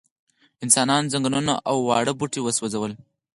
انسانانو ځنګلونه او واړه بوټي وسوځول.